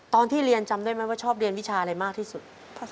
ตอนที่เรียนจำได้ไหมว่าชอบเรียนวิชาอะไรมากที่สุด